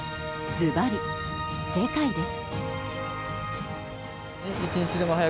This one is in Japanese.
ずばり、世界です。